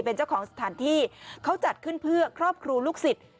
เป็นเจ้าของสถานที่เขาจัดขึ้นเพื่อครอบครูลูกศิษย์